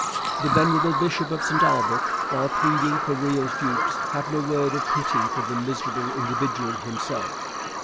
The venerable bishop of St Albert, while pleading for Riel's dupes, had no word of pity for the 'miserable individual' himself.